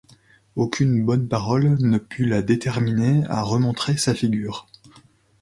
Aucune bonne parole ne put la déterminer à remontrer sa figure.